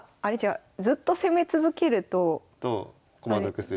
ずっと攻め続けると。と駒得する。